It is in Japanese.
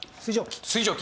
水蒸気。